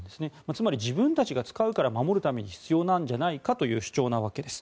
つまり自分たちが使うから守るために必要なんじゃないかという主張なわけです。